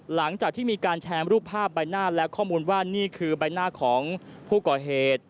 หลังจากที่มีการแชร์รูปภาพใบหน้าและข้อมูลว่านี่คือใบหน้าของผู้ก่อเหตุ